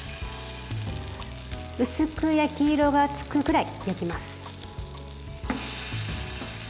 薄く焼き色がつくぐらい焼きます。